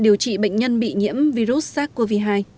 điều trị bệnh nhân bị nhiễm virus sars cov hai